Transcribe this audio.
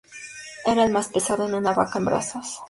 Eres más pesado que una vaca en brazos